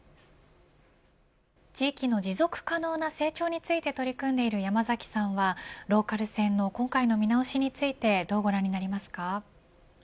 地域の持続可能な成長について取り組んでいる山崎さんはローカル線の今回の見直しについてどうご覧になりますか。